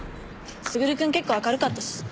優くん結構明るかったし。